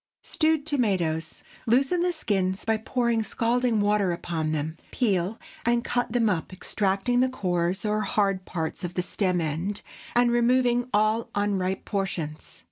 STEWED TOMATOES. ✠ Loosen the skins by pouring scalding water upon them; peel and cut them up, extracting the cores or hard parts of the stem end, and removing all unripe portions.